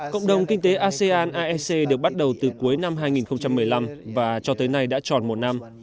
cộng đồng kinh tế asean aec được bắt đầu từ cuối năm hai nghìn một mươi năm và cho tới nay đã tròn một năm